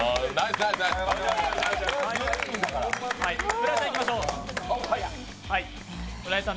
浦井さんいきましょう。